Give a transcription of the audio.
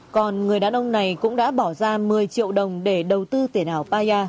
còn người đàn ông này cũng đã bỏ ra một mươi triệu đồng để đầu tư tiền ảo paya